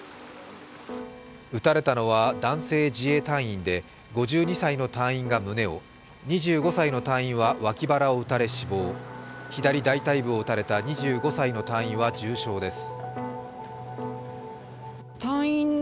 撃たれたのは男性自衛隊員で、５２歳の隊員が胸を２５歳の隊員は脇腹を撃たれ死亡、左大腿部を撃たれた２５歳の隊員は重傷です。